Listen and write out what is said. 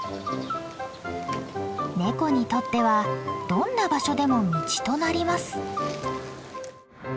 ネコにとってはどんな場所でも道となります。